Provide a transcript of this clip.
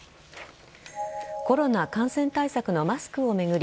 コロナ感染対策のマスクを巡り